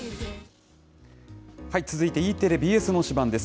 続いてＥテレ、ＢＳの推しバン！です。